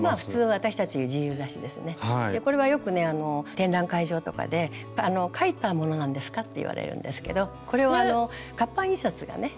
これはよくね展覧会場とかで「描いたものなんですか？」って言われるんですけどこれは活版印刷がね